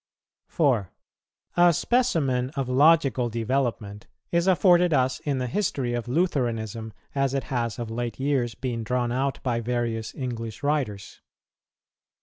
4. A specimen of logical development is afforded us in the history of Lutheranism as it has of late years been drawn out by various English writers.